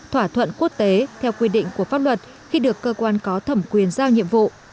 thỏa thuận quốc tế theo quy định của pháp luật khi được cơ quan có thẩm quyền giao nhiệm vụ